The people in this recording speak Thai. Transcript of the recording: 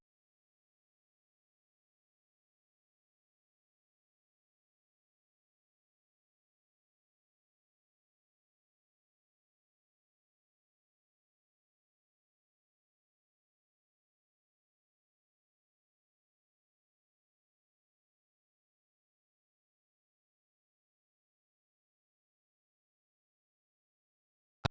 โปรดติดตามต่อไป